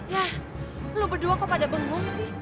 yah lo berdua kok pada bengong sih